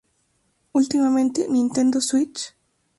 Ultimate Nintendo Switch.